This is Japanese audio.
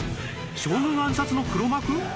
将軍暗殺の黒幕？